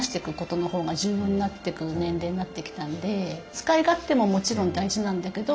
使い勝手ももちろん大事なんだけど